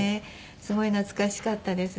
すごい懐かしかったですね。